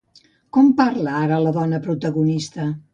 Com parla ara la dona protagonista?